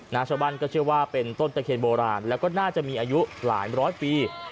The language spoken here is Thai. ชาวบ้านก็เชื่อว่าเป็นต้นตะเคียนโบราณแล้วก็น่าจะมีอายุหลายร้อยปี